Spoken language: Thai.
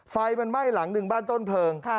ไฟมันไหม้หลังหนึ่งบ้านต้นเพลิง